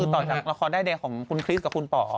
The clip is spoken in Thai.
ต่อจากละครด้ายแดงของคุณคริสกับคุณป๋อ